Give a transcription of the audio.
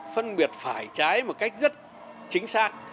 phân biệt phải trái một cách rất chính xác